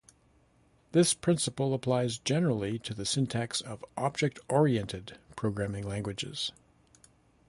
This principle applies generally to the syntax of object-oriented programming languages.